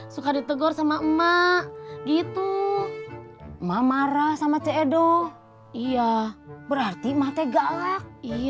semua ada teh